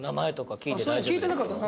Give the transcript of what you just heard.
聞いてなかったな